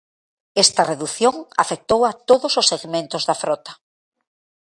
Esta redución afectou a todos os segmentos da frota.